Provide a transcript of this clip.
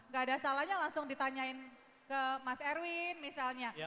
gak ada salahnya langsung ditanyain ke mas erwin misalnya